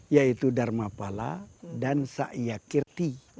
yaitu dharma pala dan sa'iyakirti